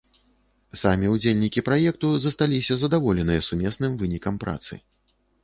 Самі ўдзельнікі праекту засталіся задаволеныя сумесным вынікам працы.